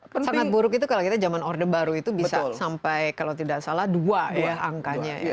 sangat buruk itu kalau kita zaman orde baru itu bisa sampai kalau tidak salah dua ya angkanya ya